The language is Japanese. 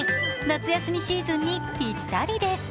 夏休みシーズンにぴったりです。